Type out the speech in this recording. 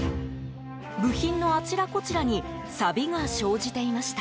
部品のあちらこちらにさびが生じていました。